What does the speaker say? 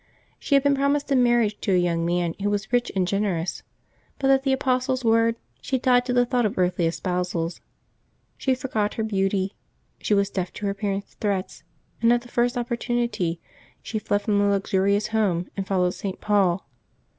She had been promised in marriage to a young man who was rich and generous. But at the Apostle's words she died to the thought of earthly espousals; she forgot her beauty; she was deaf to her parents' threats, and at the first opportunity she fled from a luxurious home and followed St. Paul.